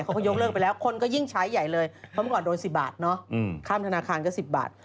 เขาก็ยกเลิกไปแล้วคนก็ยิ่งใช้ใหญ่เลยเพราะเมื่อก่อนโดน๑๐บาทเนาะข้ามธนาคารก็๑๐บาท